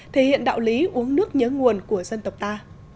thể hiện đạo lý uống nước nhớ nguồn của dân tộc ta